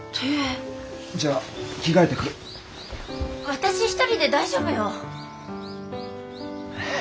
私一人で大丈夫よ！はあ